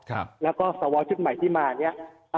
แล้วก็สวชุดใหม่ที่มาเนี่ย